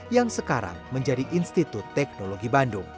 yang sekarang menjadi institut teknologi bandung